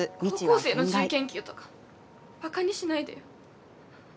高校生の自由研究とかバカにしないでよ。